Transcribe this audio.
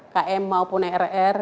km maupun rr